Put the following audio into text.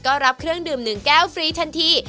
ก็รับเครื่องดื่ม๑แก้วฟรีทันที